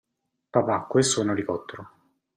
Papà, questo è un elicottero.